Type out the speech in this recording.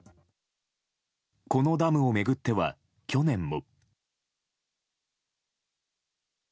このダムを巡っては去年も。